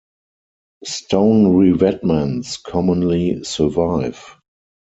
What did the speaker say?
Stone revetments commonly survive.